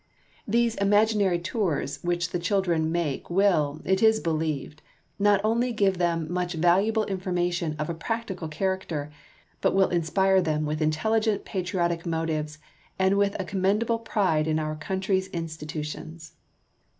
These imaginary tours which the children make will, it is believed, not only give them much valuable information of a practical character, but will inspire them with intelli gent patriotic motives and with a commendable pride in our country's institutions.